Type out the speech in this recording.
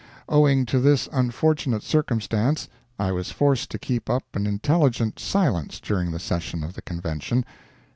Owing to this unfortunate circumstance, I was forced to keep up an intelligent silence during the session of the convention...